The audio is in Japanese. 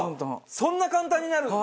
そんな簡単になるんだ。